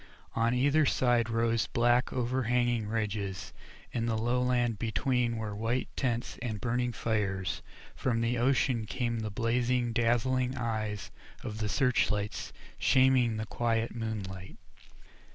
On either side rose black overhanging ridges, in the lowland between were white tents and burning fires, and from the ocean came the blazing, dazzling eyes of the search lights shaming the quiet moonlight.